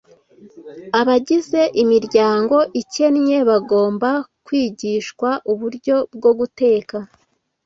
Abagize imiryango ikennye bagomba kwigishwa uburyo bwo guteka